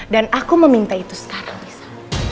dan aku meminta itu sekarang nisa